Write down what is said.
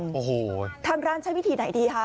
โอ้โหทางร้านใช้วิธีไหนดีคะ